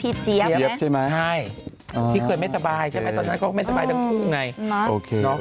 ที่เคยไม่สบายใช่ไหมเค้าทั้งสองไง